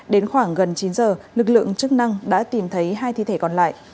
đến khoảng gần chín giờ lực lượng chức năng đã tìm thấy hai thi thể còn lại